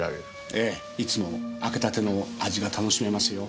ええいつも開けたての味が楽しめますよ。